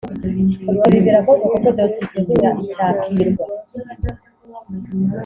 Ibi birakorwa kuko dosiye isuzumwa icyakirwa